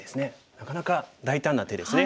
なかなか大胆な手ですね。